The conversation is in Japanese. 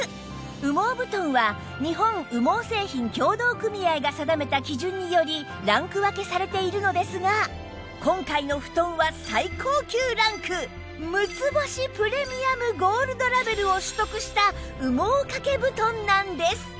羽毛布団は日本羽毛製品協同組合が定めた基準によりランク分けされているのですが今回の布団は最高級ランク６つ星プレミアムゴールドラベルを取得した羽毛掛け布団なんです